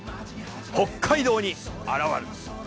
北海道に現る。